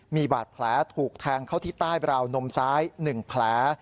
มีบาดแผลถูกแทงเข้าที่ใต้บราวนมซ้าย๑แผล